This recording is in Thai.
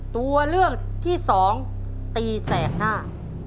ตัวเลือกที่สองตีแสกหน้า